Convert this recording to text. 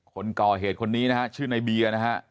คนก่อเหตุคนนี้นะฮะชื่อในเบียร์นะฮะ